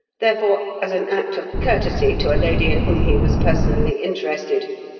Therefore, as an act of courtesy to a lady in whom he was personally interested .